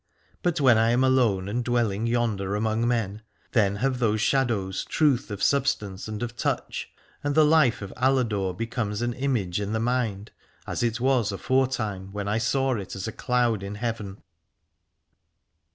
But when I am alone and dwelling yonder among men, then have those shadows truth of sub stance and of touch, and the life of Aladore becomes an image in the mind, as it was aforetime when I saw it as a cloud in heaven.